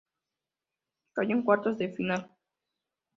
Cayó en cuartos de final.